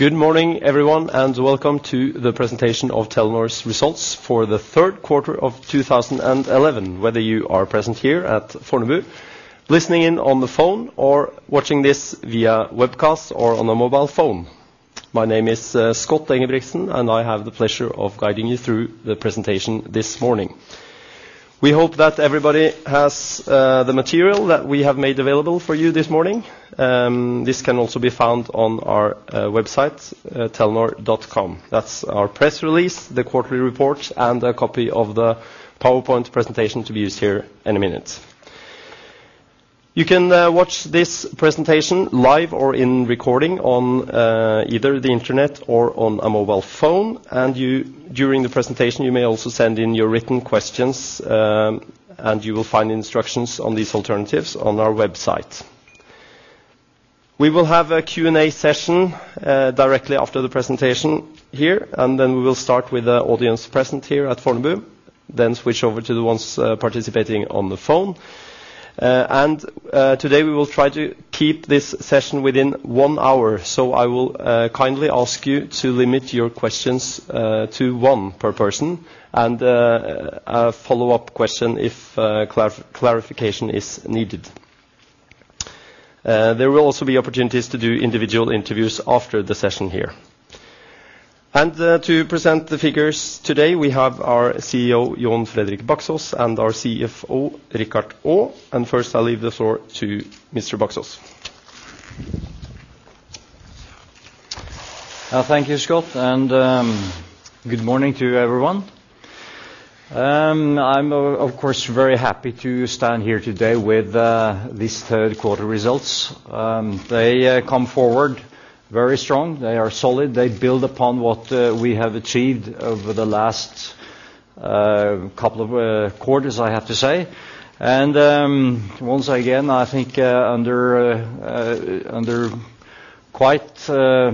Good morning, everyone, and welcome to the presentation of Telenor's results for the third quarter of 2011. Whether you are present here at Fornebu, listening in on the phone, or watching this via webcast or on a mobile phone. My name is Scott Engebretsen, and I have the pleasure of guiding you through the presentation this morning. We hope that everybody has the material that we have made available for you this morning. This can also be found on our website, Telenor.com. That's our press release, the quarterly report, and a copy of the PowerPoint presentation to be used here in a minute. You can watch this presentation live or in recording on either the internet or on a mobile phone, and during the presentation, you may also send in your written questions, and you will find instructions on these alternatives on our website. We will have a Q&A session directly after the presentation here, and then we will start with the audience present here at Fornebu, then switch over to the ones participating on the phone. And today, we will try to keep this session within one hour. So I will kindly ask you to limit your questions to one per person, and a follow-up question if clarification is needed. There will also be opportunities to do individual interviews after the session here. To present the figures today, we have our CEO, Jon Fredrik Baksaas, and our CFO, Richard Aa. First, I'll leave the floor to Mr. Baksaas. Thank you, Scott, and good morning to everyone. I'm of course very happy to stand here today with these third quarter results. They come forward very strong. They are solid. They build upon what we have achieved over the last couple of quarters, I have to say. Once again, I think under quite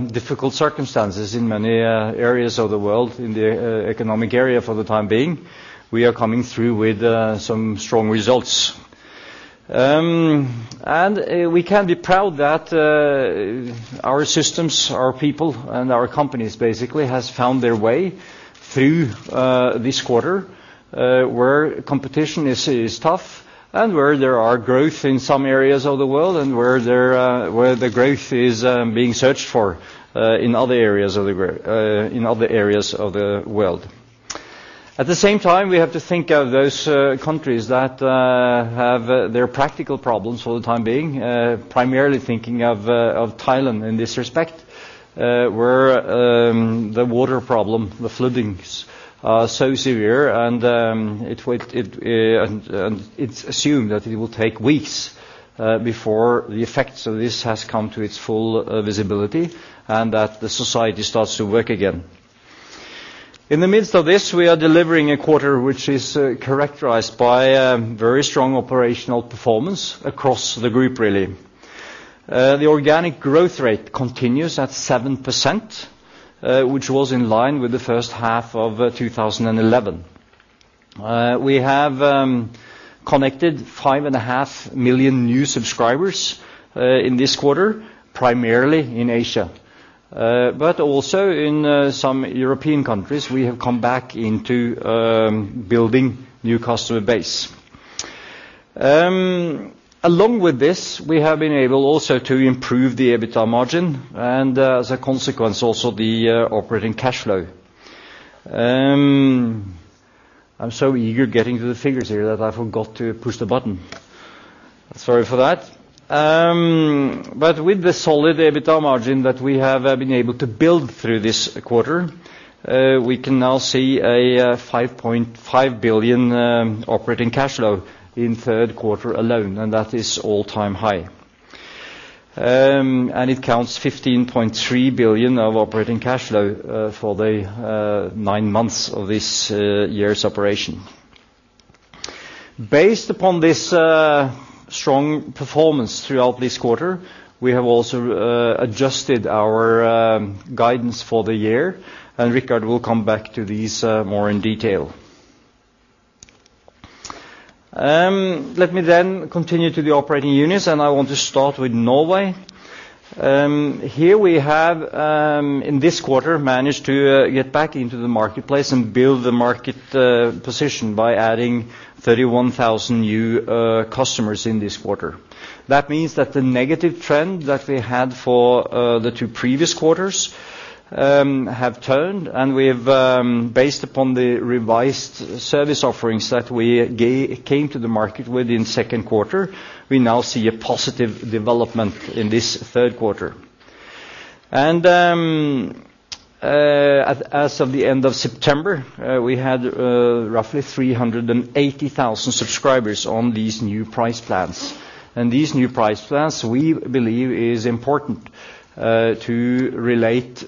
difficult circumstances in many areas of the world, in the economic area for the time being, we are coming through with some strong results. We can be proud that our systems, our people, and our companies basically has found their way through this quarter, where competition is tough and where there is growth in some areas of the world and where the growth is being searched for in other areas of the world, in other areas of the world. At the same time, we have to think of those countries that have their practical problems for the time being, primarily thinking of Thailand in this respect, where the water problem, the floodings, are so severe and it will, it, and it's assumed that it will take weeks before the effects of this has come to its full visibility, and that the society starts to work again. In the midst of this, we are delivering a quarter which is characterized by a very strong operational performance across the group, really. The organic growth rate continues at 7%, which was in line with the first half of 2011. We have connected 5.5 million new subscribers in this quarter, primarily in Asia. But also in some European countries, we have come back into building new customer base. Along with this, we have been able also to improve the EBITDA margin, and as a consequence, also the operating cash flow. I'm so eager getting to the figures here that I forgot to push the button. Sorry for that. But with the solid EBITDA margin that we have been able to build through this quarter, we can now see a 5.5 billion operating cash flow in third quarter alone, and that is all-time high. And it counts 15.3 billion of operating cash flow for the nine months of this year's operation. Based upon this strong performance throughout this quarter, we have also adjusted our guidance for the year, and Richard will come back to these more in detail. Let me then continue to the operating units, and I want to start with Norway. Here we have in this quarter managed to get back into the marketplace and build the market position by adding 31,000 new customers in this quarter. That means that the negative trend that we had for the two previous quarters have turned, and we've based upon the revised service offerings that we came to the market with in second quarter, we now see a positive development in this third quarter. And as of the end of September, we had roughly 380,000 subscribers on these new price plans. And these new price plans, we believe, is important to relate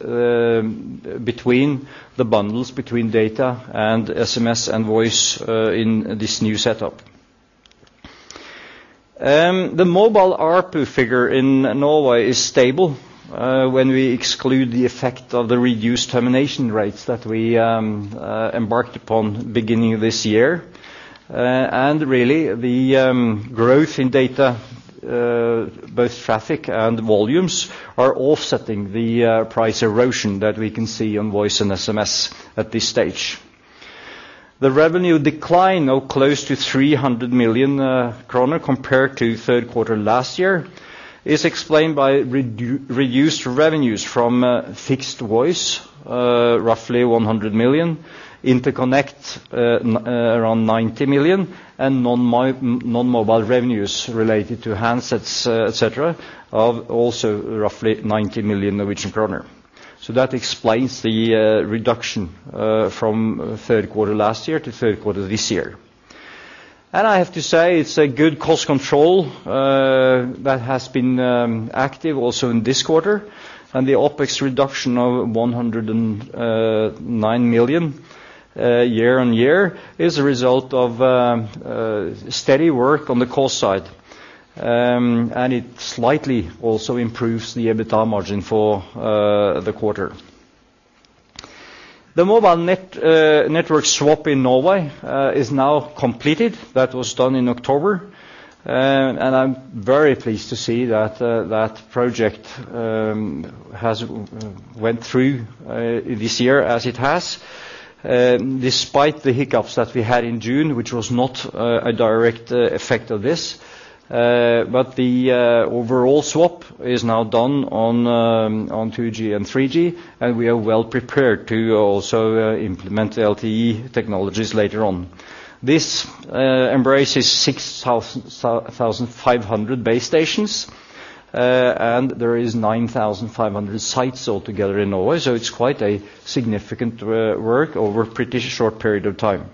between the bundles, between data and SMS and voice in this new setup. The mobile ARPU figure in Norway is stable, when we exclude the effect of the reduced termination rates that we embarked upon beginning of this year. And really, the growth in data, both traffic and volumes are offsetting the price erosion that we can see on voice and SMS at this stage. The revenue decline of close to 300 million kroner, compared to third quarter last year, is explained by reduced revenues from fixed voice, roughly 100 million, interconnect, around 90 million, and non-mobile revenues related to handsets, et cetera, of also roughly 90 million Norwegian kroner. So that explains the reduction from third quarter last year to third quarter this year. I have to say, it's a good cost control that has been active also in this quarter, and the OpEx reduction of 109 million year-on-year is a result of steady work on the cost side. It slightly also improves the EBITDA margin for the quarter. The mobile network swap in Norway is now completed. That was done in October. I'm very pleased to see that that project has went through this year as it has. Despite the hiccups that we had in June, which was not a direct effect of this, but the overall swap is now done on 2G and 3G, and we are well prepared to also implement the LTE technologies later on. This embraces 6,500 base stations, and there is 9,500 sites altogether in Norway, so it's quite a significant work over a pretty short period of time.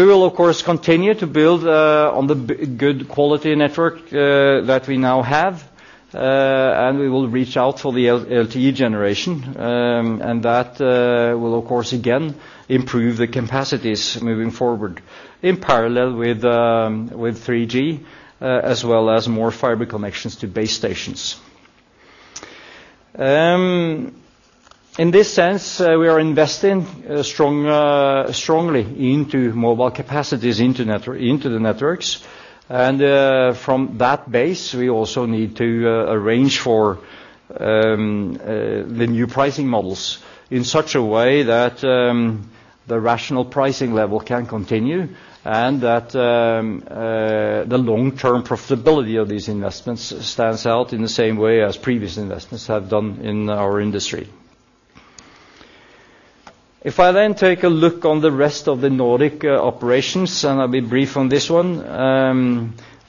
We will, of course, continue to build on the good quality network that we now have, and we will reach out for the LTE generation. And that will, of course, again, improve the capacities moving forward in parallel with 3G, as well as more fiber connections to base stations. In this sense, we are investing strongly into mobile capacities, into the networks. And, from that base, we also need to arrange for the new pricing models in such a way that the rational pricing level can continue, and that the long-term profitability of these investments stands out in the same way as previous investments have done in our industry. If I then take a look on the rest of the Nordic operations, and I'll be brief on this one.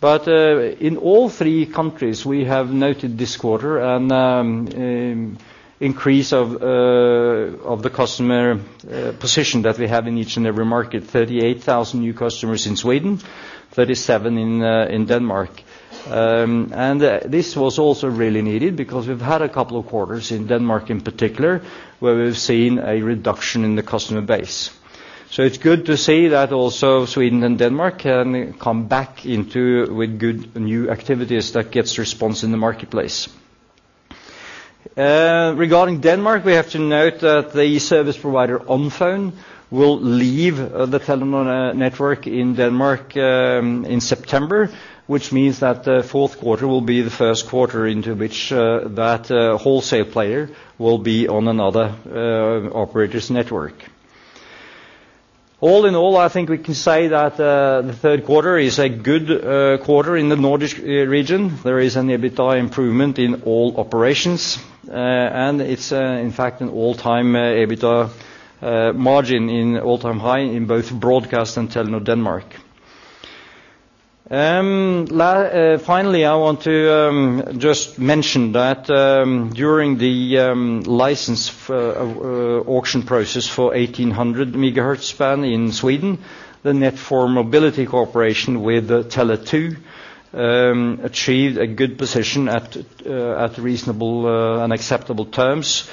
But in all three countries, we have noted this quarter, and an increase of the customer position that we have in each and every market: 38,000 new customers in Sweden, 37 in Denmark. And, this was also really needed because we've had a couple of quarters in Denmark, in particular, where we've seen a reduction in the customer base. So it's good to see that also Sweden and Denmark can come back into with good new activities that gets response in the marketplace. Regarding Denmark, we have to note that the service provider, Onfone, will leave the Telenor network in Denmark, in September, which means that the fourth quarter will be the first quarter into which that wholesale player will be on another operator's network. All in all, I think we can say that the third quarter is a good quarter in the Nordic region. There is an EBITDA improvement in all operations, and it's in fact an all-time EBITDA margin in all-time high in both Broadcast and Telenor Denmark. Finally, I want to just mention that during the license auction process for 1800 Megahertz band in Sweden, the Net4Mobility cooperation with Tele2 achieved a good position at reasonable and acceptable terms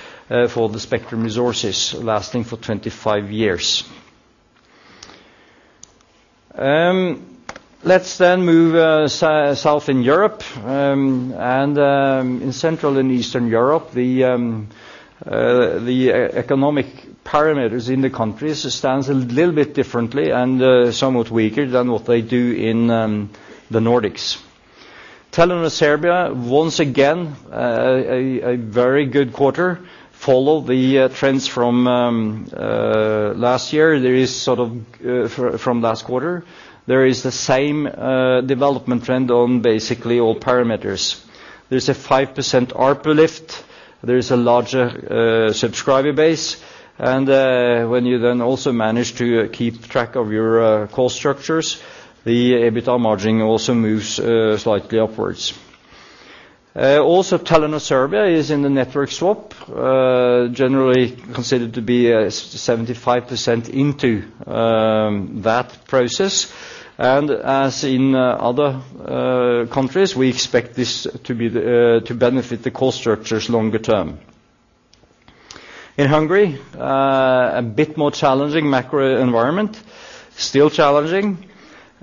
for the spectrum resources lasting for 25 years. Let's then move south in Europe and in Central and Eastern Europe, the economic parameters in the countries stands a little bit differently and somewhat weaker than what they do in the No rdics. Telenor Serbia, once again, a very good quarter, follow the trends from last year. There is sort of from last quarter, there is the same development trend on basically all parameters. There's a 5% ARPU lift, there's a larger subscriber base, and when you then also manage to keep track of your cost structures, the EBITDA margining also moves slightly upwards. Also, Telenor Serbia is in the network swap, generally considered to be 75% into that process, and as in other countries, we expect this to benefit the cost structures longer term. In Hungary, a bit more challenging macro environment, still challenging...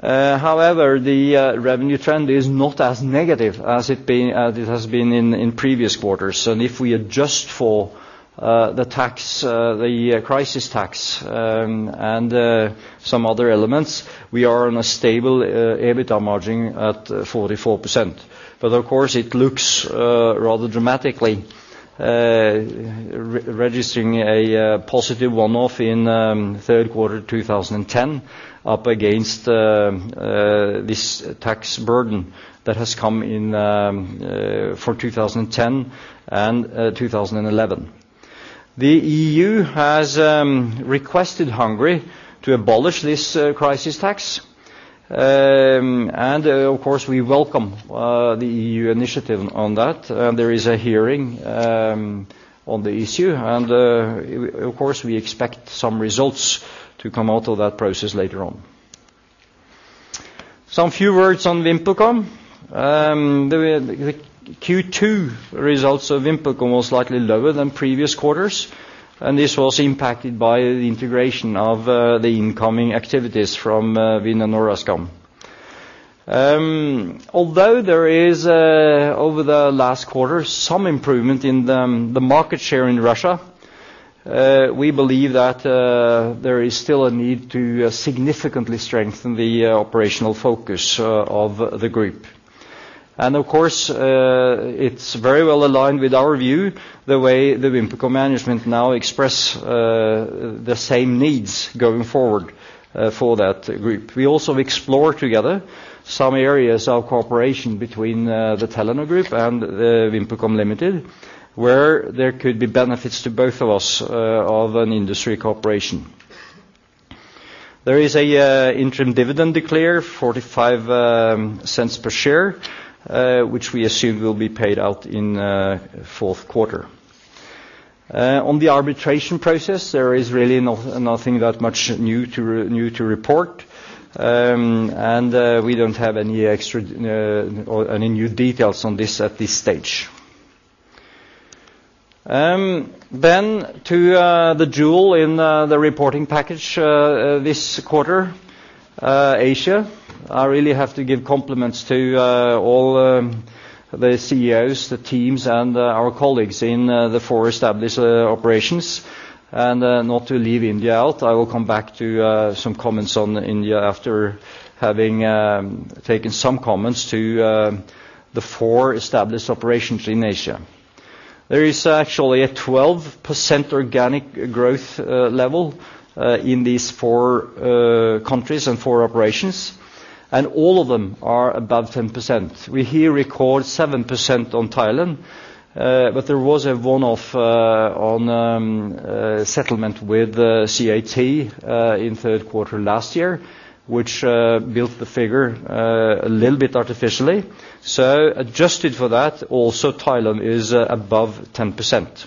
However, the revenue trend is not as negative as it has been in previous quarters. And if we adjust for the tax, the crisis tax, and some other elements, we are on a stable EBITDA margin at 44%. But of course, it looks rather dramatically re-registering a positive one-off in third quarter 2010, up against this tax burden that has come in for 2010 and 2011. The EU has requested Hungary to abolish this crisis tax. And, of course, we welcome the EU initiative on that. There is a hearing on the issue, and of course, we expect some results to come out of that process later on. Some few words on VimpelCom. The Q2 results of VimpelCom was slightly lower than previous quarters, and this was impacted by the integration of the incoming activities from Wind and Orascom. Although there is over the last quarter some improvement in the market share in Russia, we believe that there is still a need to significantly strengthen the operational focus of the group. Of course, it's very well aligned with our view, the way the VimpelCom management now express the same needs going forward for that group. We also explore together some areas of cooperation between the Telenor Group and the VimpelCom Limited, where there could be benefits to both of us of an industry cooperation. There is an interim dividend declared $0.45 per share, which we assume will be paid out in fourth quarter. On the arbitration process, there is really nothing that much new to report. We don't have any extra or any new details on this at this stage. To the jewel in the reporting package this quarter, Asia, I really have to give compliments to all the CEOs, the teams, and our colleagues in the four established operations. Not to leave India out, I will come back to some comments on India after having taken some comments to the four established operations in Asia. There is actually a 12% organic growth level in these four countries and four operations, and all of them are above 10%. We here record 7% on Thailand, but there was a one-off settlement with CAT in third quarter last year, which built the figure a little bit artificially. So adjusted for that, also Thailand is above 10%.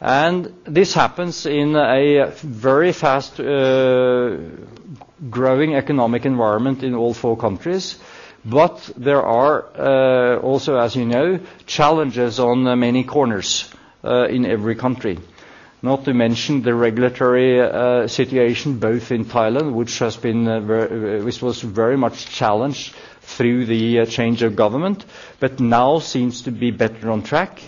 And this happens in a very fast growing economic environment in all four countries, but there are also, as you know, challenges on many corners in every country. Not to mention the regulatory situation, both in Thailand, which was very much challenged through the change of government, but now seems to be better on track.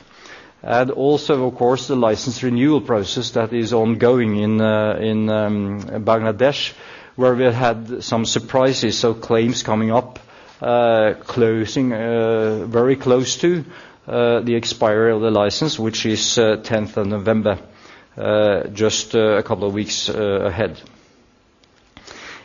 And also, of course, the license renewal process that is ongoing in Bangladesh, where we had some surprises, so claims coming up, closing very close to the expiry of the license, which is tenth of November, just a couple of weeks ahead.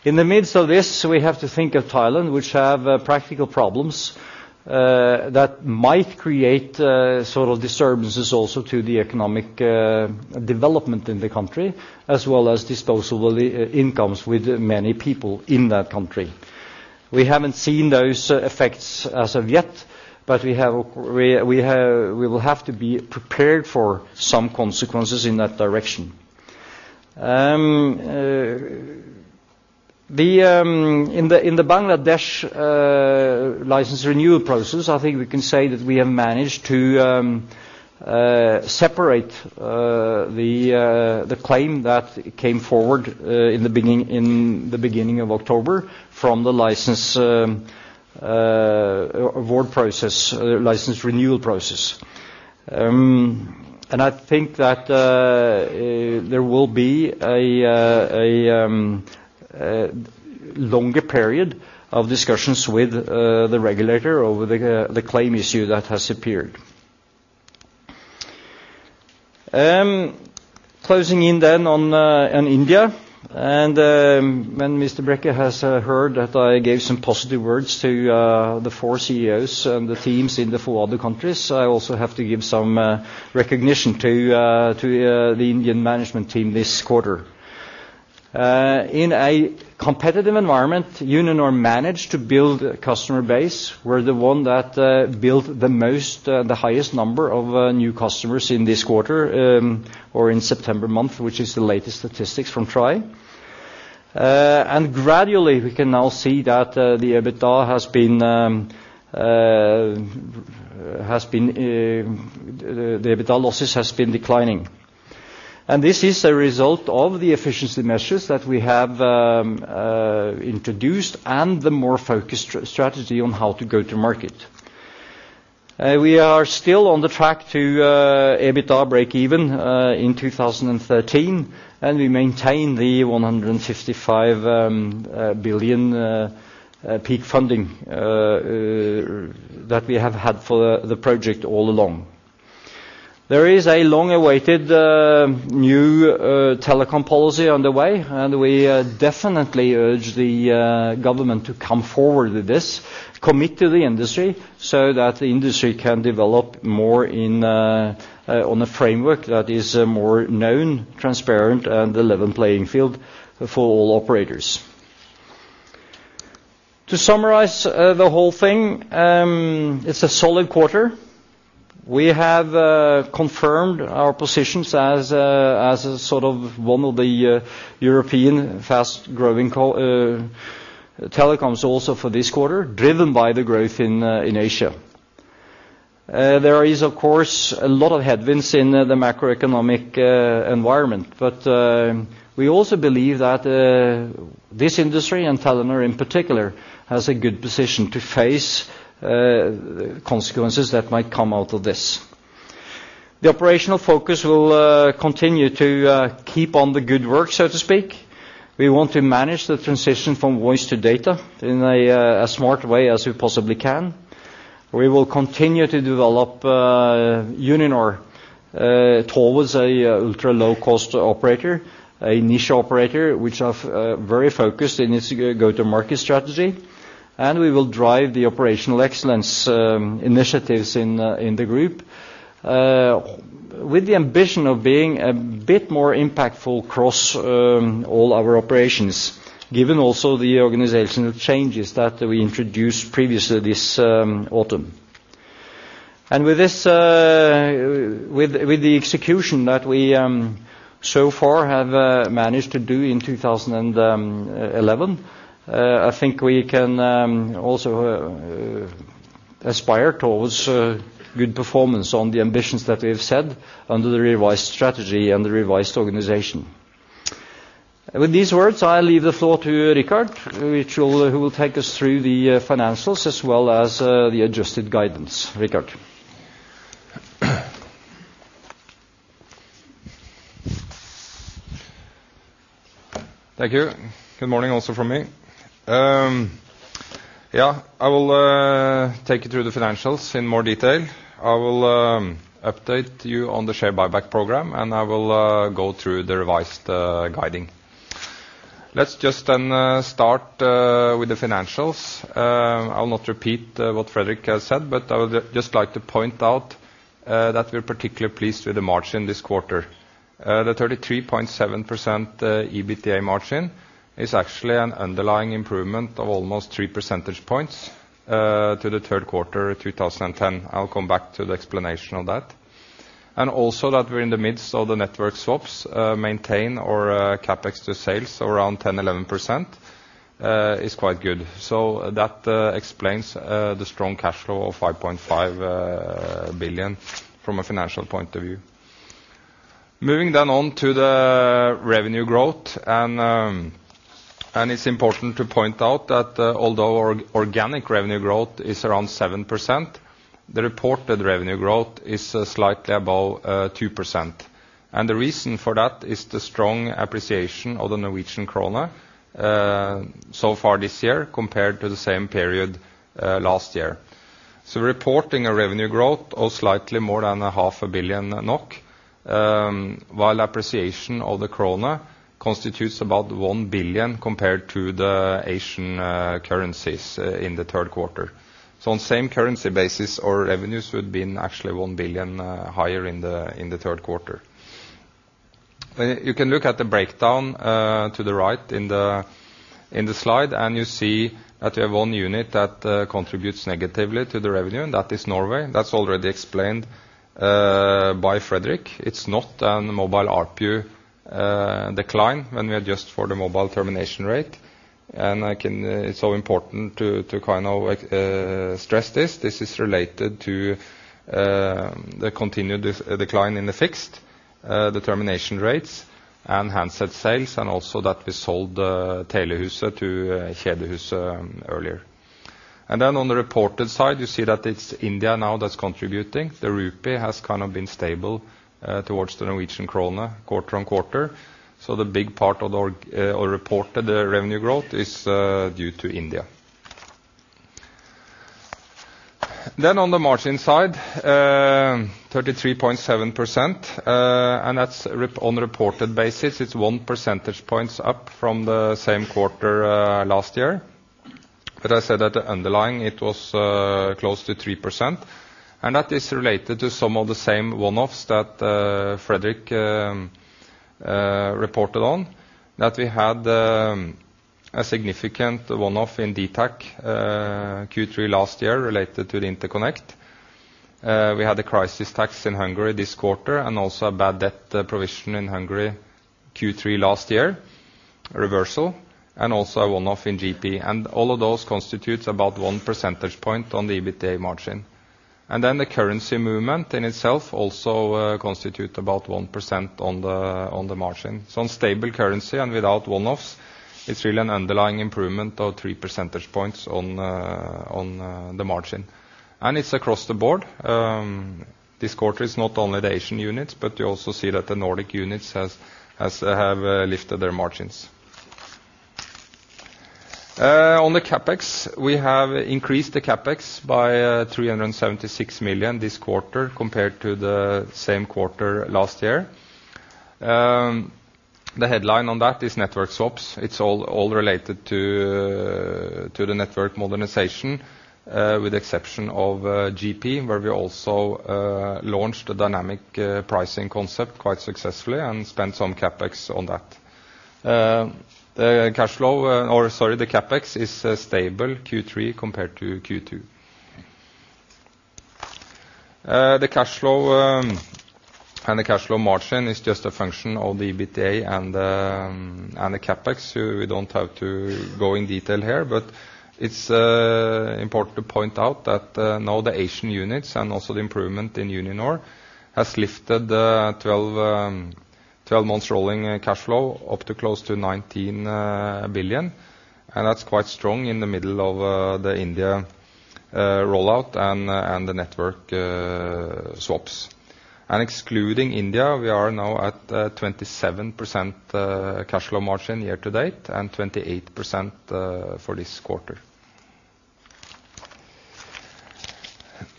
In the midst of this, we have to think of Thailand, which have practical problems that might create sort of disturbances also to the economic development in the country, as well as disposable incomes with many people in that country. We haven't seen those effects as of yet, but we will have to be prepared for some consequences in that direction. In the Bangladesh license renewal process, I think we can say that we have managed to separate the claim that came forward in the beginning of October from the license award process, license renewal process. And I think that there will be a longer period of discussions with the regulator over the claim issue that has appeared. Closing in then on India, and when Mr. Brekke has heard that I gave some positive words to the four CEOs and the teams in the four other countries, I also have to give some recognition to the Indian management team this quarter. In a competitive environment, Uninor managed to build a customer base where the one that built the most, the highest number of new customers in this quarter, or in September month, which is the latest statistics from TRAI. Gradually, we can now see that the EBITDA has been... The EBITDA losses has been declining... This is a result of the efficiency measures that we have introduced and the more focused strategy on how to go to market. We are still on the track to EBITDA break even in 2013, and we maintain the 155 billion peak funding that we have had for the project all along. There is a long-awaited new telecom policy on the way, and we definitely urge the government to come forward with this, commit to the industry, so that the industry can develop more in on a framework that is more known, transparent, and a level playing field for all operators. To summarize the whole thing, it's a solid quarter. We have confirmed our positions as a sort of one of the European fast-growing telecoms also for this quarter, driven by the growth in Asia. There is, of course, a lot of headwinds in the macroeconomic environment. But we also believe that this industry, and Telenor in particular, has a good position to face consequences that might come out of this. The operational focus will continue to keep on the good work, so to speak. We want to manage the transition from voice to data in as smart a way as we possibly can. We will continue to develop Uninor towards a ultra-low-cost operator, a niche operator, which are very focused in its go-to-market strategy. We will drive the operational excellence initiatives in the group. With the ambition of being a bit more impactful across all our operations, given also the organizational changes that we introduced previously this autumn. And with this, with the execution that we so far have managed to do in 2011, I think we can also aspire towards good performance on the ambitions that we have set under the revised strategy and the revised organization. With these words, I leave the floor to Rikard, which will, who will take us through the financials as well as the adjusted guidance. Rikard? Thank you. Good morning also from me. Yeah, I will take you through the financials in more detail. I will update you on the share buyback program, and I will go through the revised guidance. Let's just then start with the financials. I'll not repeat what Fredrik has said, but I would just like to point out that we're particularly pleased with the margin this quarter. The 33.7% EBITDA margin is actually an underlying improvement of almost three percentage points to the third quarter, 2010. I'll come back to the explanation of that. And also, that we're in the midst of the network swaps maintain our CapEx to sales around 10-11% is quite good. So that explains the strong cash flow of 5.5 billion from a financial point of view. Moving then on to the revenue growth, and it's important to point out that although organic revenue growth is around 7%, the reported revenue growth is slightly above 2%. And the reason for that is the strong appreciation of the Norwegian kroner so far this year, compared to the same period last year. So reporting a revenue growth of slightly more than 0.5 billion NOK, while appreciation of the kroner constitutes about 1 billion compared to the Asian currencies in the third quarter. So on same currency basis, our revenues would have been actually 1 billion higher in the third quarter. You can look at the breakdown to the right in the slide, and you see that we have one unit that contributes negatively to the revenue, and that is Norway. That's already explained by Fredrik. It's not on the mobile ARPU decline when we adjust for the mobile termination rate. It's so important to kind of stress this. This is related to the continued decline in the fixed termination rates and handset sales, and also that we sold Telehuset to Kjaer Group earlier. And then on the reported side, you see that it's India now that's contributing. The rupee has kind of been stable towards the Norwegian kroner quarter on quarter. So the big part of the organic or reported revenue growth is due to India. Then on the margin side, 33.7%, and that's on a reported basis, it's one percentage points up from the same quarter last year. But I said that the underlying, it was close to 3%, and that is related to some of the same one-offs that Fredrik reported on. That we had a significant one-off in dtac Q3 last year, related to the interconnect. We had the crisis tax in Hungary this quarter, and also a bad debt provision in Hungary, Q3 last year, reversal, and also a one-off in GP. And all of those constitutes about one percentage point on the EBITDA margin. And then the currency movement in itself also constitute about 1% on the margin. So on stable currency and without one-offs, it's really an underlying improvement of 3 percentage points on the margin. And it's across the board, this quarter is not only the Asian units, but you also see that the Nordic units have lifted their margins. On the CapEx, we have increased the CapEx by 376 million this quarter compared to the same quarter last year. The headline on that is network swaps. It's all related to the network modernization with the exception of GP, where we also launched a dynamic pricing concept quite successfully and spent some CapEx on that. The cash flow, or sorry, the CapEx is stable Q3 compared to Q2. The cash flow, and the cash flow margin is just a function of the EBITDA and the, and the CapEx, so we don't have to go in detail here. But it's important to point out that, now the Asian units and also the improvement in Uninor has lifted the 12, 12 months rolling cash flow up to close to 19 billion. And that's quite strong in the middle of, the India, rollout and, and the network, swaps. And excluding India, we are now at, 27% cash flow margin year to date, and 28% for this quarter.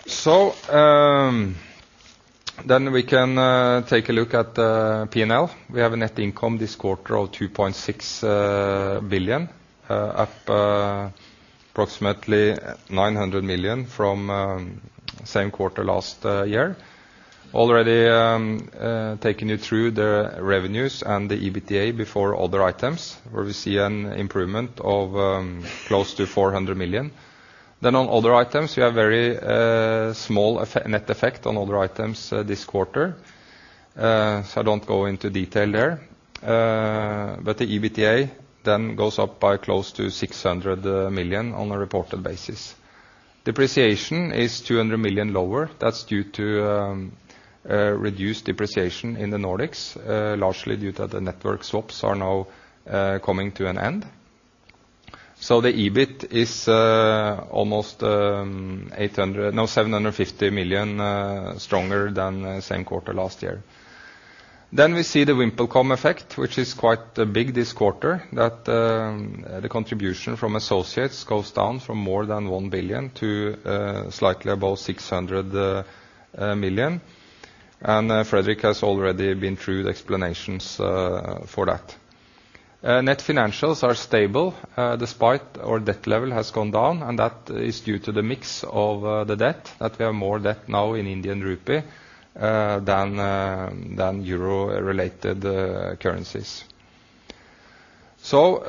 So, then we can, take a look at, P&L. We have a net income this quarter of 2.6 billion, up, approximately 900 million from, same quarter last, year. Already, taking you through the revenues and the EBITDA before other items, where we see an improvement of close to 400 million. Then on other items, we have very small effect, net effect on other items this quarter. So I don't go into detail there. But the EBITDA then goes up by close to 600 million on a reported basis. Depreciation is 200 million lower. That's due to reduced depreciation in the Nordics, largely due to the network swaps are now coming to an end. So the EBIT is almost 800, no, 750 million stronger than same quarter last year. Then we see the VimpelCom effect, which is quite big this quarter, that the contribution from associates goes down from more than 1 billion to slightly above 600 million. And Fredrik has already been through the explanations for that. Net financials are stable despite our debt level has gone down, and that is due to the mix of the debt, that we have more debt now in Indian rupee than euro-related currencies. So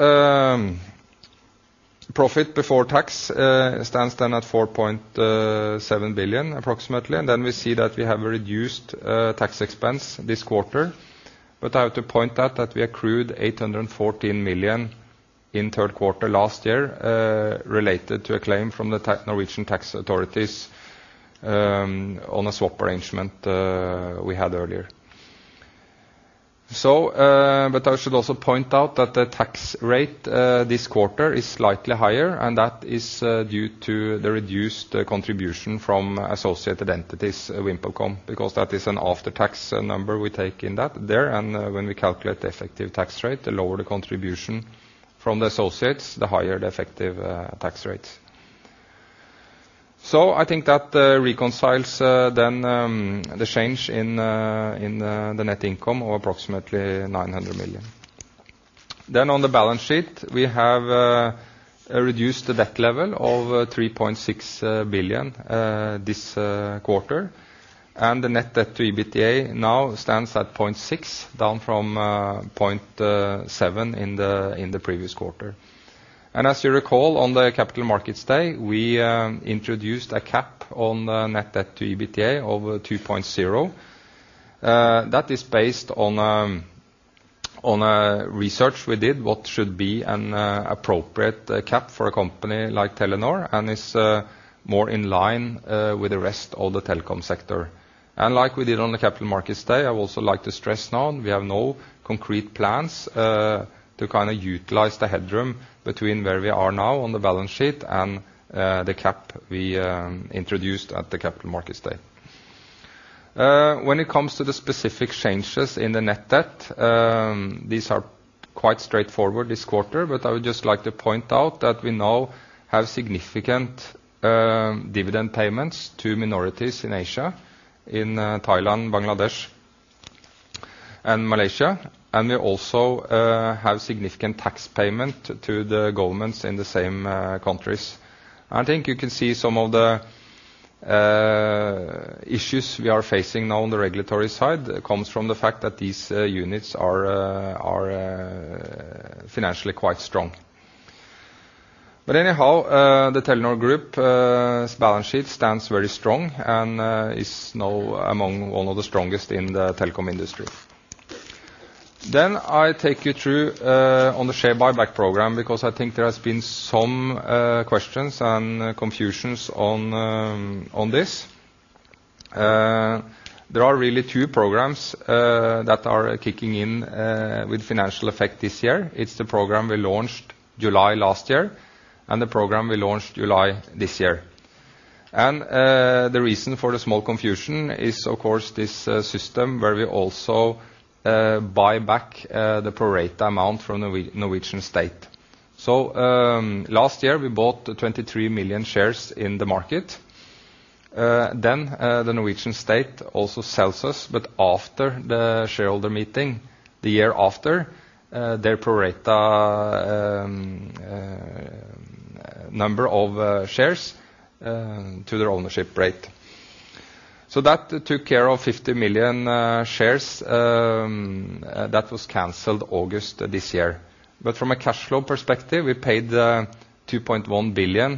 profit before tax stands then at 4.7 billion, approximately. And then we see that we have reduced tax expense this quarter. But I have to point out that we accrued 814 million in third quarter last year, related to a claim from the Norwegian tax authorities, on a swap arrangement we had earlier. So, but I should also point out that the tax rate this quarter is slightly higher, and that is due to the reduced contribution from associated entities, VimpelCom, because that is an after-tax number we take in there. And when we calculate the effective tax rate, the lower the contribution from the associates, the higher the effective tax rates. So I think that reconciles then the change in the net income or approximately 900 million. Then on the balance sheet, we have reduced the debt level of 3.6 billion this quarter, and the net debt to EBITDA now stands at 0.6, down from 0.7 in the previous quarter. And as you recall, on the Capital Markets Day, we introduced a cap on net debt to EBITDA of 2.0. That is based on a research we did, what should be an appropriate cap for a company like Telenor, and is more in line with the rest of the telecom sector. And like we did on the Capital Markets Day, I would also like to stress now we have no concrete plans to kind of utilize the headroom between where we are now on the balance sheet and the cap we introduced at the Capital Markets Day. When it comes to the specific changes in the net debt, these are quite straightforward this quarter, but I would just like to point out that we now have significant dividend payments to minorities in Asia, in Thailand, Bangladesh, and Malaysia, and we also have significant tax payment to the governments in the same countries. I think you can see some of the issues we are facing now on the regulatory side. It comes from the fact that these units are financially quite strong. But anyhow, the Telenor Group balance sheet stands very strong and is now among one of the strongest in the telecom industry. Then I take you through on the share buyback program, because I think there has been some questions and confusions on this. There are really two programs that are kicking in with financial effect this year. It's the program we launched July last year, and the program we launched July this year. And the reason for the small confusion is, of course, this system where we also buy back the pro rata amount from the Norwegian state. So, last year, we bought 23 million shares in the market. Then, the Norwegian state also sells us, but after the shareholder meeting, the year after, their pro rata number of shares to their ownership rate. So that took care of 50 million shares that was canceled August this year. But from a cash flow perspective, we paid 2.1 billion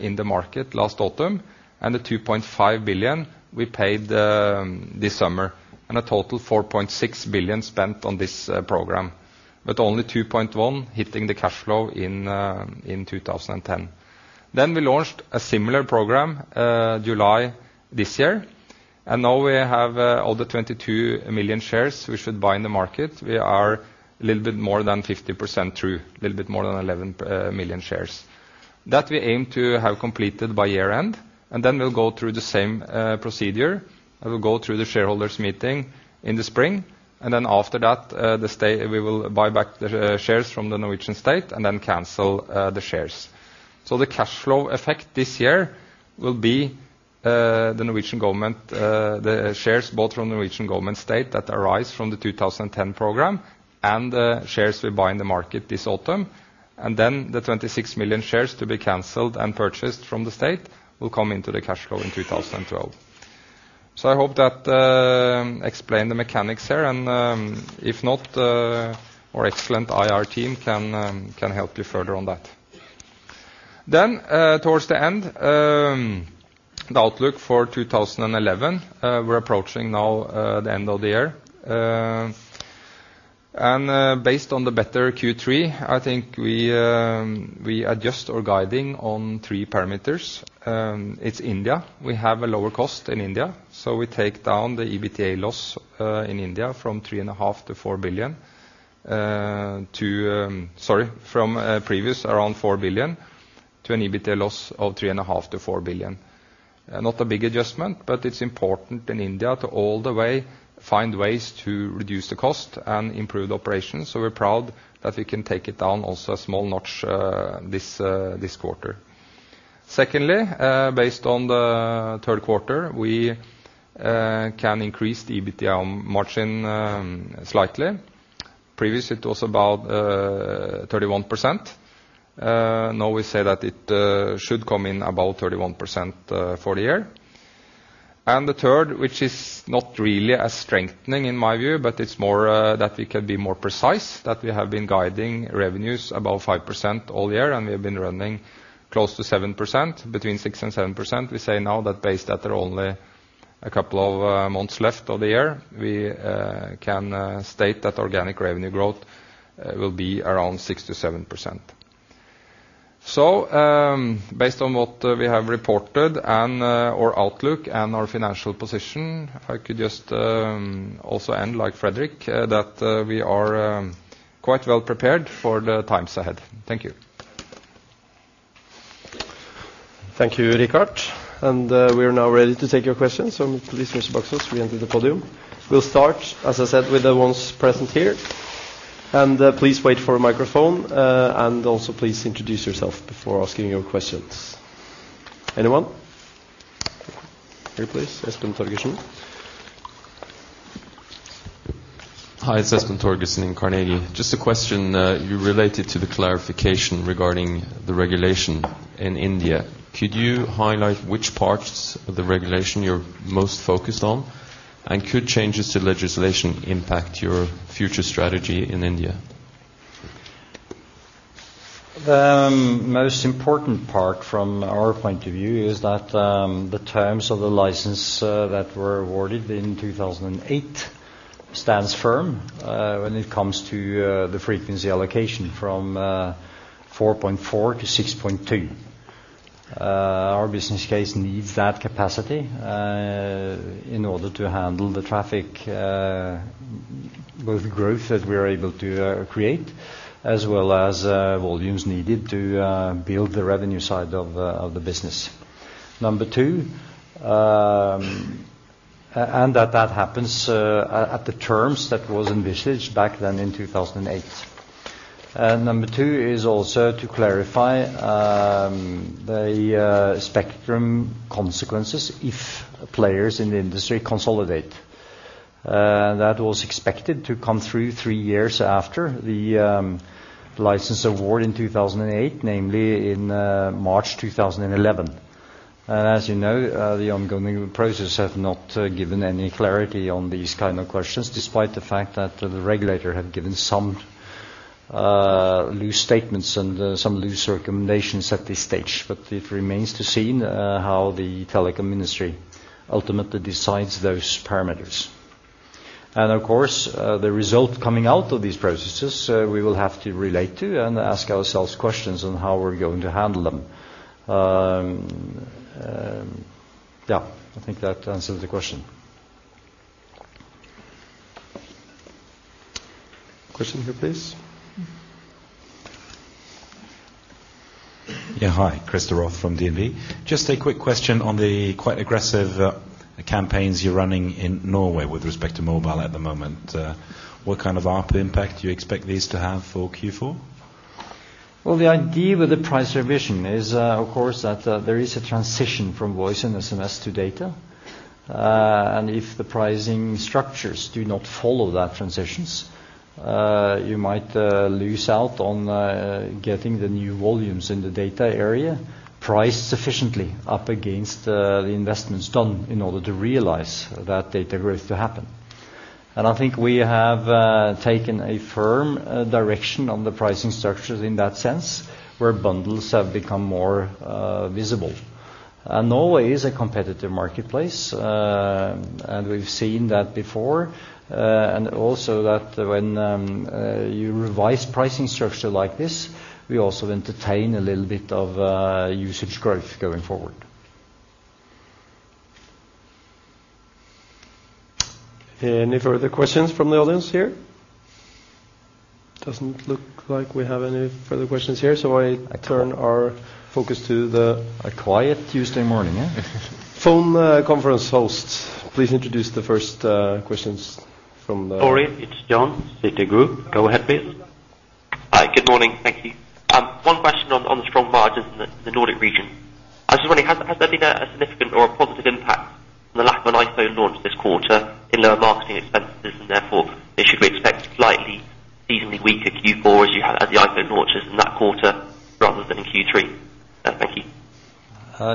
in the market last autumn, and the 2.5 billion we paid this summer, and a total 4.6 billion spent on this program, but only 2.1 billion hitting the cash flow in 2010. Then we launched a similar program July this year, and now we have all the 22 million shares we should buy in the market. We are a little bit more than 50% through, a little bit more than 11 million shares. That we aim to have completed by year-end, and then we'll go through the same procedure. We'll go through the shareholders meeting in the spring, and then after that, the state—we will buy back the shares from the Norwegian state and then cancel the shares. So the cash flow effect this year will be the Norwegian government, the shares bought from the Norwegian government state that arise from the 2010 program, and the shares we buy in the market this autumn, and then the 26 million shares to be canceled and purchased from the state will come into the cash flow in 2012. So I hope that explain the mechanics here, and if not, our excellent IR team can help you further on that. Then towards the end, the outlook for 2011, we're approaching now, the end of the year. And based on the better Q3, I think we adjust our guiding on three parameters. It's India. We have a lower cost in India, so we take down the EBITDA loss in India from 3.5 billion-4 billion to... Sorry, from previous around 4 billion, to an EBITDA loss of 3.5 billion-4 billion. Not a big adjustment, but it's important in India to all the way find ways to reduce the cost and improve the operations, so we're proud that we can take it down also a small notch, this quarter. Secondly, based on the third quarter, we can increase the EBITDA margin, slightly. Previously, it was about 31%. Now we say that it should come in about 31% for the year. And the third, which is not really a strengthening in my view, but it's more that we can be more precise, that we have been guiding revenues above 5% all year, and we have been running close to 7%, between 6% and 7%. We say now that based that there are only a couple of months left of the year, we can state that organic revenue growth will be around 6%-7%. So, based on what we have reported and our outlook and our financial position, I could just also end like Fredrik that we are quite well prepared for the times ahead. Thank you. Thank you, Rikard, and we are now ready to take your questions, so please raise your boxes. We enter the podium. We'll start, as I said, with the ones present here. Please wait for a microphone, and also please introduce yourself before asking your questions. Anyone? Here, please, Espen Torgersen. Hi, it's Espen Torgersen in Carnegie. Just a question regarding the clarification regarding the regulation in India. Could you highlight which parts of the regulation you're most focused on? And could changes to legislation impact your future strategy in India? The most important part from our point of view is that, the terms of the license, that were awarded in 2008 stands firm, when it comes to, the frequency allocation from, 4.4 to 6.2. Our business case needs that capacity, in order to handle the traffic, both growth that we are able to, create, as well as, volumes needed to, build the revenue side of, of the business. Number two, and that, that happens, at, at the terms that was envisaged back then in 2008. And number two is also to clarify, the, spectrum consequences if players in the industry consolidate. That was expected to come through three years after the license award in 2008, namely in March 2011. And as you know, the ongoing process have not given any clarity on these kind of questions, despite the fact that the regulator have given some- ... loose statements and, some loose recommendations at this stage. But it remains to see, how the telecom industry ultimately decides those parameters. And of course, the result coming out of these processes, we will have to relate to and ask ourselves questions on how we're going to handle them. Yeah, I think that answers the question. Question here, please? Yeah. Hi, Christer Roth from DNB Markets. Just a quick question on the quite aggressive campaigns you're running in Norway with respect to mobile at the moment. What kind of ARPU impact do you expect these to have for Q4? Well, the idea with the price revision is, of course, that there is a transition from voice and SMS to data. If the pricing structures do not follow that transitions, you might lose out on getting the new volumes in the data area priced sufficiently up against the investments done in order to realize that data growth to happen. I think we have taken a firm direction on the pricing structures in that sense, where bundles have become more visible. Norway is a competitive marketplace, and we've seen that before, and also that when you revise pricing structure like this, we also entertain a little bit of usage growth going forward. Any further questions from the audience here? Doesn't look like we have any further questions here, so I turn our focus to the- A quiet Tuesday morning, eh? Phone conference hosts, please introduce the first questions from the- Ori, it's John, Citigroup. Go ahead, please. Hi. Good morning. Thank you. One question on the strong margins in the Nordic region. I was wondering, has there been a significant or a positive impact from the lack of an iPhone launch this quarter in lower marketing expenses, and therefore, it should be expected slightly seasonally weaker Q4 as you had the iPhone launches in that quarter rather than in Q3? Thank you.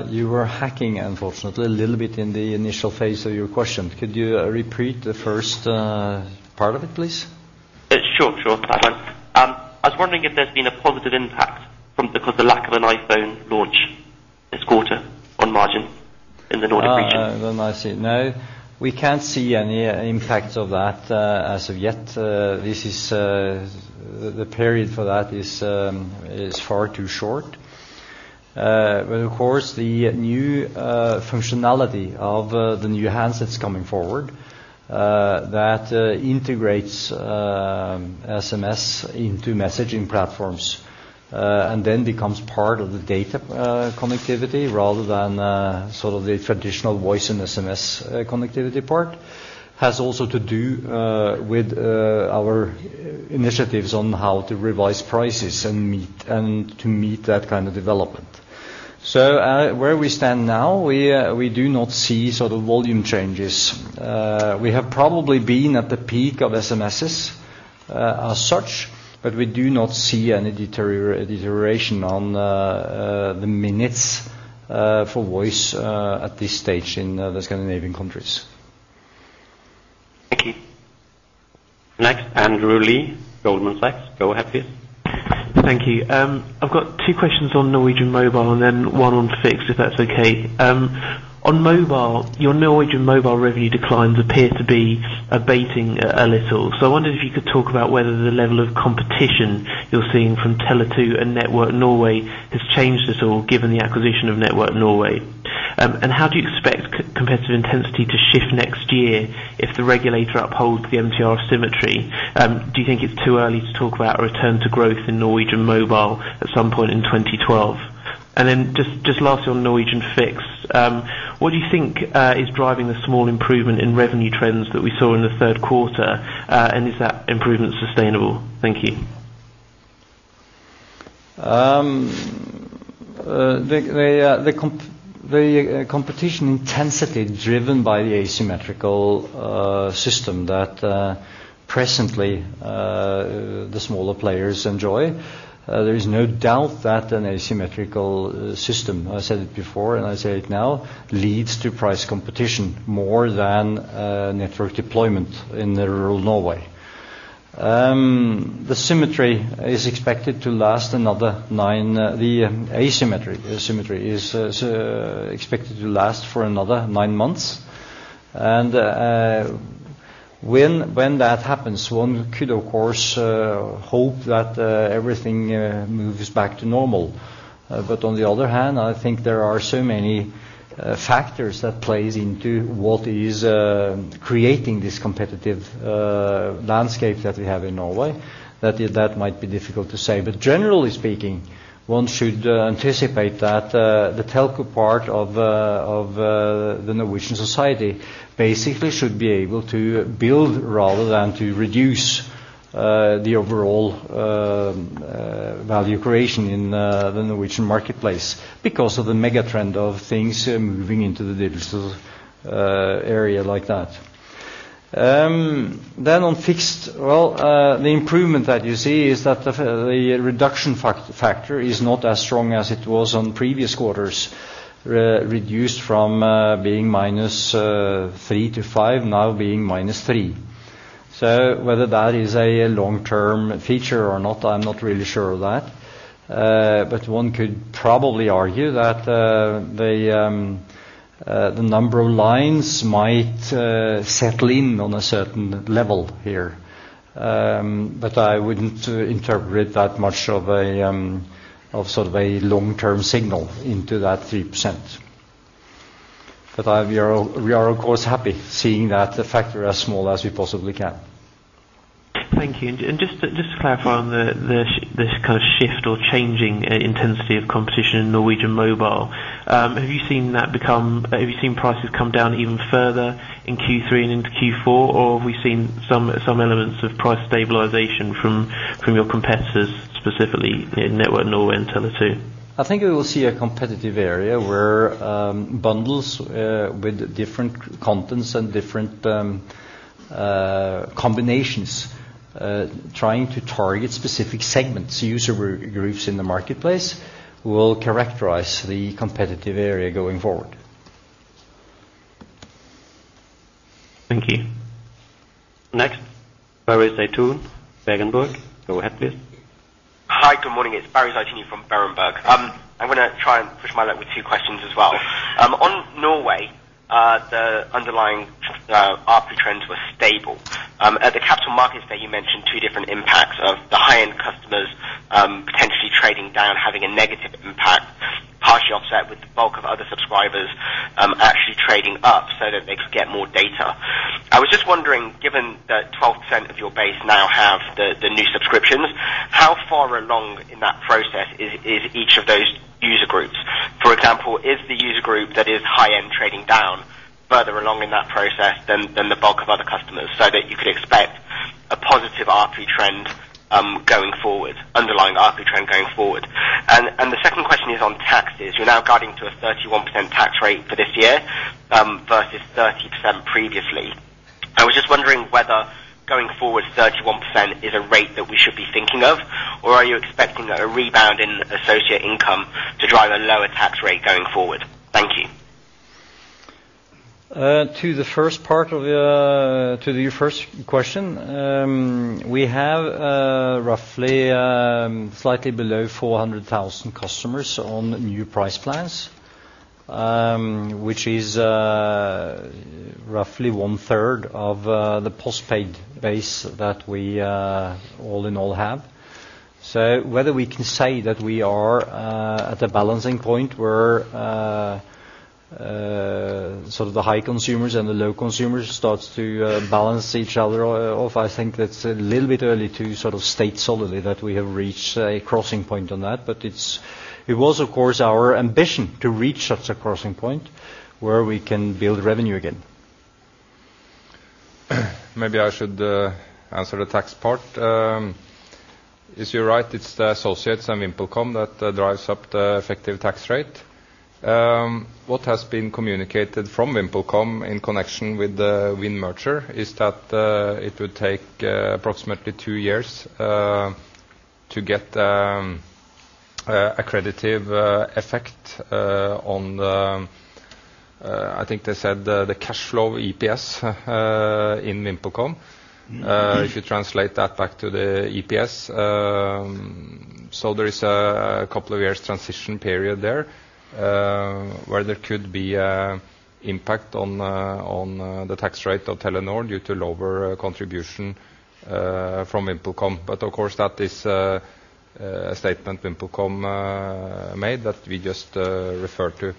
You were hacking, unfortunately, a little bit in the initial phase of your question. Could you repeat the first part of it, please? Sure, sure. Fine. I was wondering if there's been a positive impact from the lack of an iPhone launch this quarter on margin in the Nordic region. Ah, then I see. No, we can't see any impact of that, as of yet. This is... The period for that is far too short. But of course, the new functionality of the new handsets coming forward, that integrates SMS into messaging platforms, and then becomes part of the data connectivity, rather than sort of the traditional voice and SMS connectivity part, has also to do with our initiatives on how to revise prices and meet- and to meet that kind of development. So, where we stand now, we do not see sort of volume changes. We have probably been at the peak of SMSs, as such, but we do not see any deterioration on the minutes for voice at this stage in the Scandinavian countries. Thank you. Next, Andrew Lee, Goldman Sachs. Go ahead, please. Thank you. I've got two questions on Norwegian Mobile, and then one on fixed, if that's okay. On mobile, your Norwegian Mobile revenue declines appear to be abating a little. So I wondered if you could talk about whether the level of competition you're seeing from Tele2 and Network Norway has changed at all, given the acquisition of Network Norway. And how do you expect competitive intensity to shift next year if the regulator upholds the MTR symmetry? Do you think it's too early to talk about a return to growth in Norwegian Mobile at some point in 2012? And then just lastly, on Norwegian Fixed, what do you think is driving the small improvement in revenue trends that we saw in the third quarter? And is that improvement sustainable? Thank you. The competition intensity driven by the asymmetrical system that presently the smaller players enjoy, there is no doubt that an asymmetrical system, I said it before and I say it now, leads to price competition more than network deployment in rural Norway. The asymmetry is expected to last for another nine months. And when that happens, one could, of course, hope that everything moves back to normal. But on the other hand, I think there are so many factors that plays into what is creating this competitive landscape that we have in Norway, that might be difficult to say. But generally speaking, one should anticipate that the telco part of the Norwegian society basically should be able to build rather than to reduce the overall value creation in the Norwegian marketplace because of the mega trend of things moving into the digital area like that. Then on fixed, well, the improvement that you see is that the reduction factor is not as strong as it was on previous quarters, reduced from being minus 3 to 5, now being minus 3. So whether that is a long-term feature or not, I'm not really sure of that. But one could probably argue that the number of lines might settle in on a certain level here. But I wouldn't interpret that much of a, of sort of a long-term signal into that 3%. But I—we are, we are, of course, happy seeing that the factor as small as we possibly can. Thank you. Just to clarify on this kind of shift or changing intensity of competition in Norwegian mobile, have you seen prices come down even further in Q3 and into Q4? Or have we seen some elements of price stabilization from your competitors, specifically in Network Norway and Tele2? I think we will see a competitive area where bundles with different contents and different combinations trying to target specific segments, user groups in the marketplace, will characterize the competitive area going forward. Thank you. Next, Barry Zeitoune, Berenberg. Go ahead, please. Hi, good morning. It's Barry Zeitoune from Berenberg. I'm gonna try and push my luck with two questions as well. On Norway, the underlying RP trends were stable. At the capital markets day, you mentioned two different impacts of the high-end customers, potentially trading down, having a negative impact, partially offset with the bulk of other subscribers, actually trading up so that they could get more data. I was just wondering, given that 12% of your base now have the new subscriptions, how far along in that process is each of those user groups? For example, is the user group that is high-end trading down further along in that process than the bulk of other customers, so that you could expect a positive RP trend going forward, underlying RP trend going forward? The second question is on taxes. You're now guiding to a 31% tax rate for this year, versus 30% previously. I was just wondering whether, going forward, 31% is a rate that we should be thinking of, or are you expecting a rebound in associate income to drive a lower tax rate going forward? Thank you. To the first part of, to your first question, we have, roughly, slightly below 400,000 customers on new price plans, which is, roughly one third of, the postpaid base that we, all in all have. So whether we can say that we are, at a balancing point where, sort of the high consumers and the low consumers starts to, balance each other off, I think that's a little bit early to sort of state solidly that we have reached a crossing point on that. But it was, of course, our ambition to reach such a crossing point where we can build revenue again. Maybe I should answer the tax part. Yes, you're right, it's the associates and VimpelCom that drives up the effective tax rate. What has been communicated from VimpelCom in connection with the Wind merger is that it would take approximately two years to get an accretive effect on the, I think they said, the cash flow of EPS in VimpelCom. If you translate that back to the EPS, so there is a couple of years transition period there, where there could be an impact on the tax rate of Telenor due to lower contribution from VimpelCom. But of course, that is a statement VimpelCom made, that we just refer to.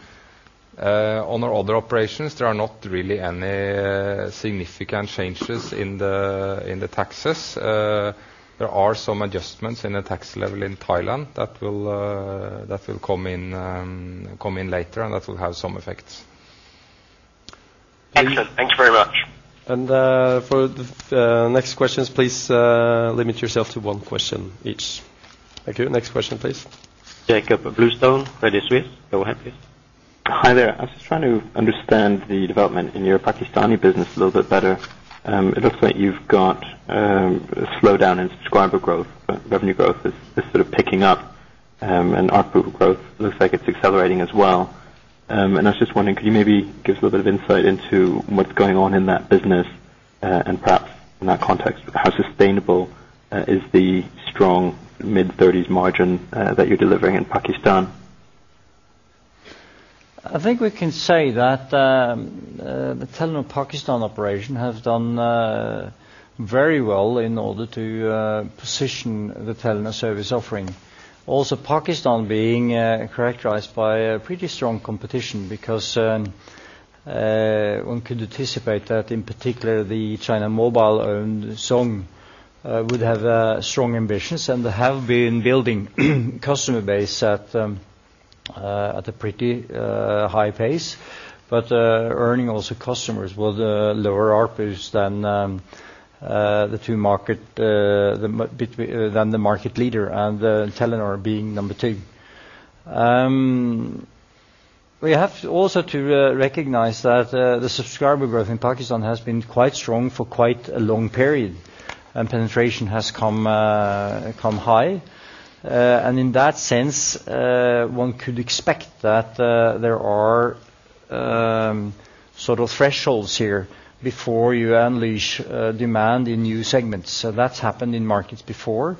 On our other operations, there are not really any significant changes in the taxes. There are some adjustments in the tax level in Thailand that will come in later, and that will have some effects. Excellent. Thanks very much. For the next questions, please limit yourself to one question each. Thank you. Next question, please. Jakob Bluestone, Credit Suisse. Go ahead, please. Hi, there. I was just trying to understand the development in your Pakistani business a little bit better. It looks like you've got a slowdown in subscriber growth, but revenue growth is sort of picking up, and RP growth looks like it's accelerating as well. I was just wondering, could you maybe give us a little bit of insight into what's going on in that business, and perhaps in that context, how sustainable is the strong mid-thirties margin that you're delivering in Pakistan? I think we can say that, the Telenor Pakistan operation has done, very well in order to, position the Telenor service offering. Also, Pakistan being, characterized by a pretty strong competition, because, one could anticipate that in particular, the China Mobile-owned Zong, would have, strong ambitions and have been building customer base at, at a pretty, high pace. But, earning also customers with, lower RPs than, the two market, than the market leader and, Telenor being number two. We have also to, recognize that, the subscriber growth in Pakistan has been quite strong for quite a long period, and penetration has come, come high. In that sense, one could expect that there are sort of thresholds here before you unleash demand in new segments. So that's happened in markets before,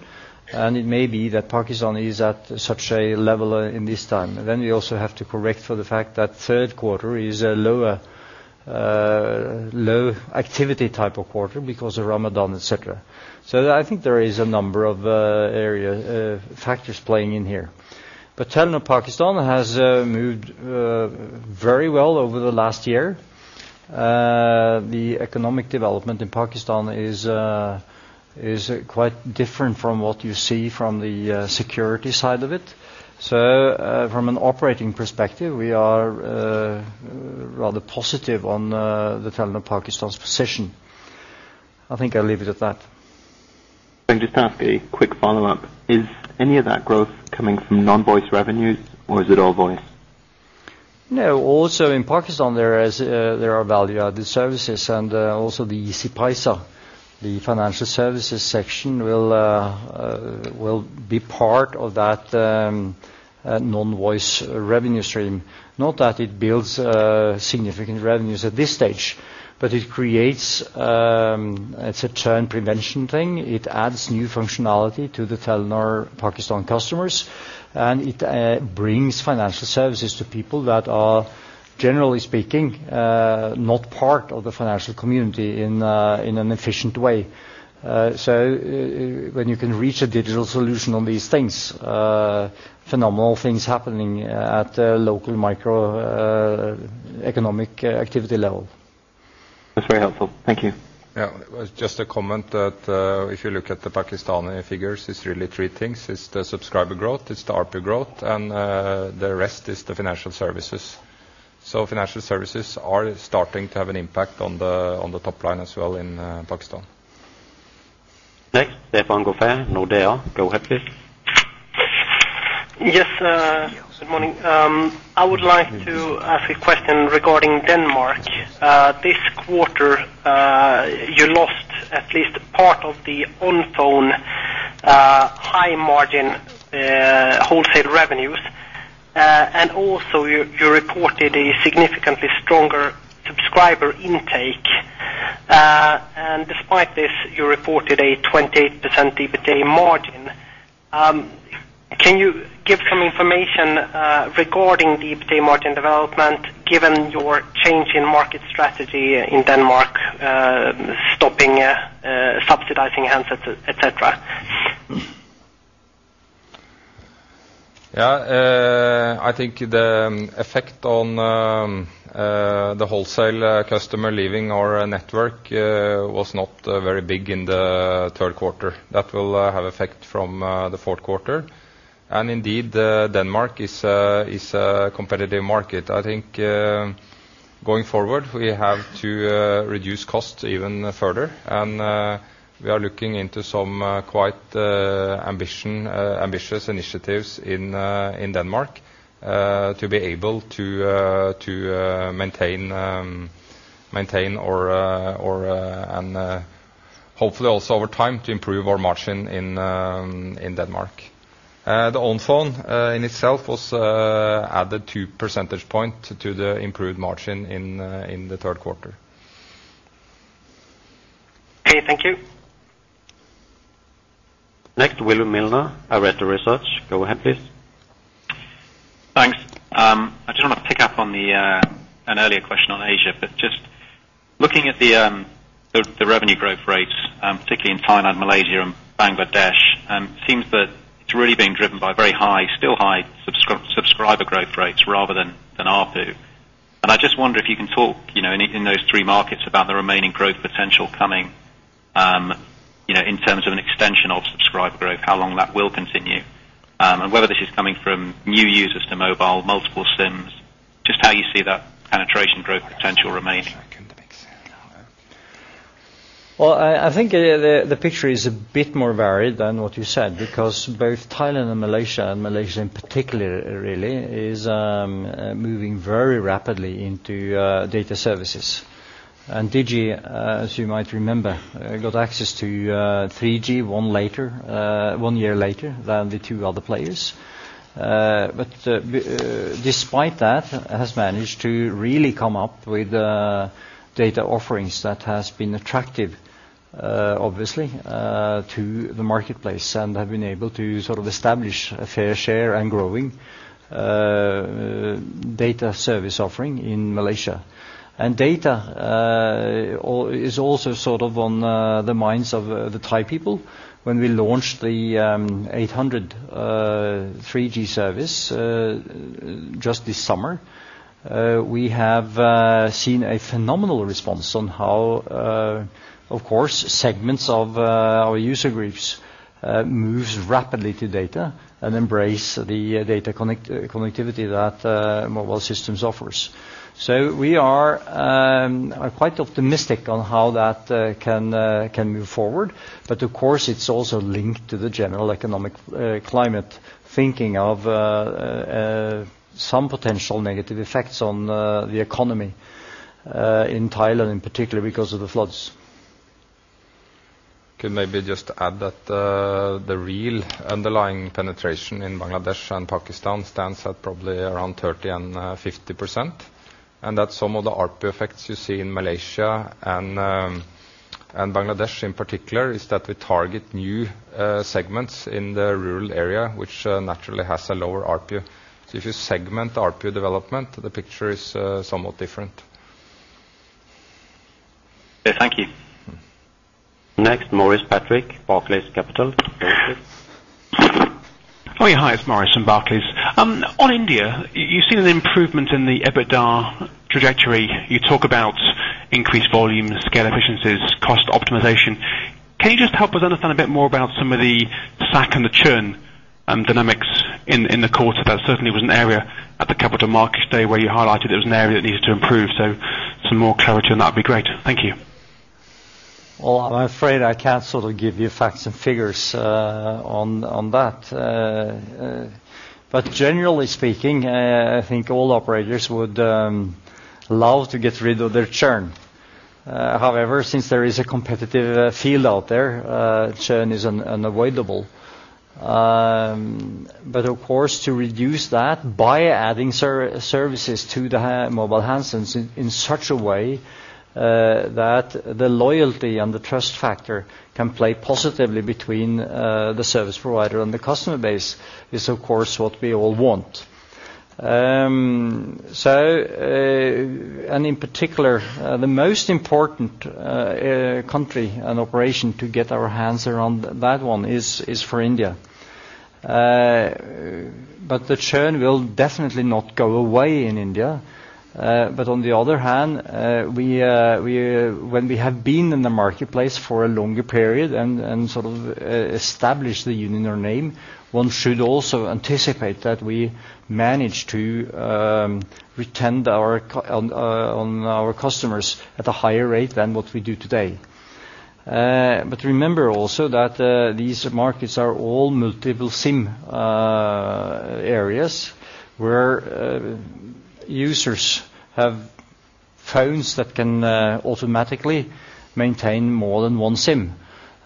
and it may be that Pakistan is at such a level in this time. Then you also have to correct for the fact that third quarter is a lower low activity type of quarter because of Ramadan, et cetera. So I think there is a number of area factors playing in here. But Telenor Pakistan has moved very well over the last year. The economic development in Pakistan is quite different from what you see from the security side of it. So from an operating perspective, we are rather positive on the Telenor Pakistan's position. I think I'll leave it at that. Can I just ask a quick follow-up? Is any of that growth coming from non-voice revenues, or is it all voice? No, also in Pakistan, there is, there are value-added services, and, also the Easypaisa, the financial services section, will, will be part of that, non-voice revenue stream. Not that it builds, significant revenues at this stage, but it creates, it's a churn prevention thing. It adds new functionality to the Telenor Pakistan customers, and it, brings financial services to people that are, generally speaking, not part of the financial community in, in an efficient way. So when you can reach a digital solution on these things, phenomenal things happening at the local micro, economic activity level. That's very helpful. Thank you. Yeah. Just a comment that, if you look at the Pakistani figures, it's really three things. It's the subscriber growth, it's the ARPU growth, and the rest is the financial services. So financial services are starting to have an impact on the top line as well in Pakistan. Next, Stefan Gauffin, Nordea. Go ahead, please. Yes, good morning. I would like to ask a question regarding Denmark. This quarter, you lost at least part of the Onfone, high margin, wholesale revenues, and also, you reported a significantly stronger subscriber intake. And despite this, you reported a 28% EBITDA margin. Can you give some information regarding the EBITDA margin development, given your change in market strategy in Denmark, stopping subsidizing handsets, etc., etc.? Yeah, I think the effect on the wholesale customer leaving our network was not very big in the third quarter. That will have effect from the fourth quarter. And indeed, Denmark is a competitive market. I think going forward, we have to reduce costs even further, and we are looking into some quite ambitious initiatives in Denmark to be able to maintain our – and hopefully also over time, to improve our margin in Denmark. The Onfone in itself added two percentage point to the improved margin in the third quarter. Okay, thank you. Next, William Milner, Arete Research. Go ahead, please. Thanks. I just want to pick up on an earlier question on Asia, but just looking at the revenue growth rates, particularly in Thailand, Malaysia, and Bangladesh, seems that it's really being driven by very high, still high subscriber growth rates rather than ARPU. And I just wonder if you can talk, you know, in those three markets about the remaining growth potential coming, you know, in terms of an extension of subscriber growth, how long that will continue? And whether this is coming from new users to mobile, multiple SIMs, just how you see that penetration growth potential remaining. Well, I think the picture is a bit more varied than what you said, because both Thailand and Malaysia, and Malaysia in particular, really is moving very rapidly into data services. And DiGi, as you might remember, got access to 3G one year later than the two other players. But despite that, has managed to really come up with data offerings that has been attractive, obviously, to the marketplace, and have been able to sort of establish a fair share and growing data service offering in Malaysia. And data is also sort of on the minds of the Thai people. When we launched the 800 3G service just this summer, we have seen a phenomenal response on how, of course, segments of our user groups moves rapidly to data and embrace the data connect connectivity that mobile systems offers. So we are quite optimistic on how that can can move forward. But of course, it's also linked to the general economic climate, thinking of some potential negative effects on the economy in Thailand, in particular, because of the floods. Can maybe just add that, the real underlying penetration in Bangladesh and Pakistan stands at probably around 30 and 50%, and that some of the RPU effects you see in Malaysia and Bangladesh in particular is that we target new segments in the rural area, which naturally has a lower RPU. So if you segment the RPU development, the picture is somewhat different. Thank you. Next, Maurice Patrick, Barclays Capital. Maurice? Oh, yeah, hi. It's Maurice from Barclays. On India, you've seen an improvement in the EBITDA trajectory. You talk about increased volume, scale efficiencies, cost optimization. Can you just help us understand a bit more about some of the slack and the churn dynamics in the course of that? Certainly was an area at the Capital Markets Day where you highlighted it was an area that needs to improve, so some more clarity on that would be great. Thank you. Well, I'm afraid I can't sort of give you facts and figures on that. But generally speaking, I think all operators would love to get rid of their churn. However, since there is a competitive field out there, churn is unavoidable. But of course, to reduce that by adding services to the mobile handsets in such a way that the loyalty and the trust factor can play positively between the service provider and the customer base, is, of course, what we all want. So, and in particular, the most important country and operation to get our hands around that one is for India. But the churn will definitely not go away in India. But on the other hand, we when we have been in the marketplace for a longer period and sort of establish the Uninor name, one should also anticipate that we manage to retain our customers at a higher rate than what we do today. But remember also that these markets are all multiple SIM areas, where users have phones that can automatically maintain more than one SIM.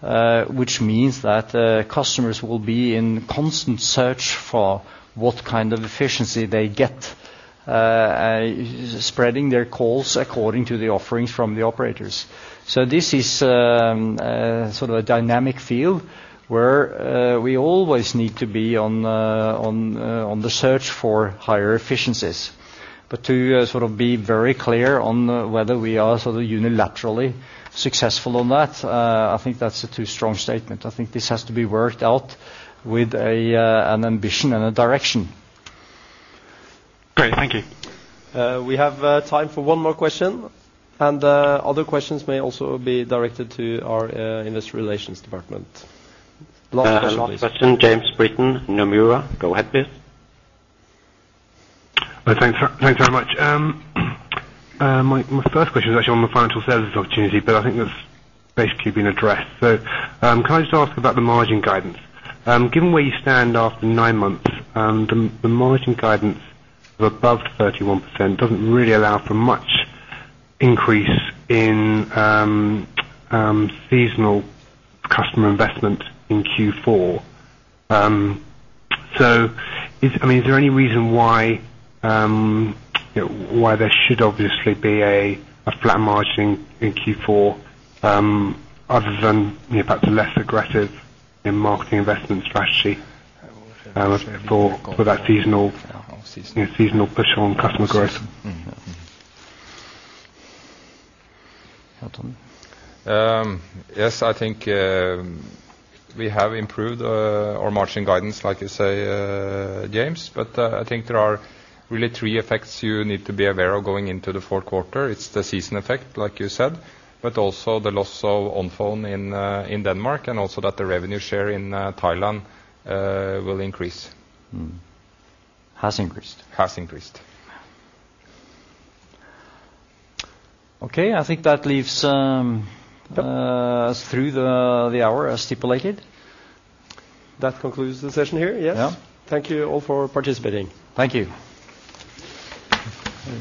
Which means that customers will be in constant search for what kind of efficiency they get, spreading their calls according to the offerings from the operators. So this is sort of a dynamic field where we always need to be on the search for higher efficiencies. But to sort of be very clear on whether we are sort of unilaterally successful on that, I think that's a too strong statement. I think this has to be worked out with a an ambition and a direction. Great. Thank you. We have time for one more question, and other questions may also be directed to our Industry Relations Department. Last question, please. Last question, James Britton, Nomura. Go ahead, please. Thanks, thanks very much. My first question is actually on the financial services opportunity, but I think that's basically been addressed. So, can I just ask about the margin guidance? Given where you stand after nine months, the margin guidance of above 31% doesn't really allow for much increase in seasonal customer investment in Q4. So is... I mean, is there any reason why there should obviously be a flat margin in Q4, other than, you know, perhaps a less aggressive in marketing investment strategy for that seasonal push on customer growth? Yes, I think we have improved our margin guidance, like you say, James, but I think there are really three effects you need to be aware of going into the fourth quarter. It's the season effect, like you said, but also the loss of Onfone in in Denmark, and also that the revenue share in Thailand will increase. Mm. Has increased. Has increased. Okay, I think that leaves us through the hour as stipulated. That concludes the session here, yes? Yeah. Thank you all for participating. Thank you. Thank you.